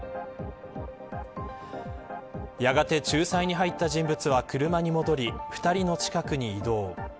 やがて仲裁に入った人物は車に戻り２人の近くに移動。